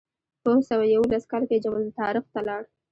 په اوه سوه یوولس کال کې جبل الطارق ته لاړ.